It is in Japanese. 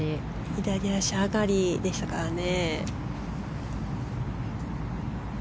左足上がりでしたからね。